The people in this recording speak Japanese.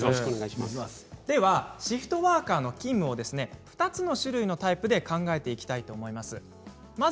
シフトワーカーの勤務を２つの種類のタイプで考えていきます。